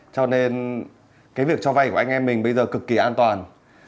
cho nên cái việc cho vay của anh em mình bây giờ cực kỳ an toàn